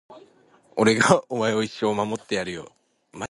俺がお前を一生守ってやるよ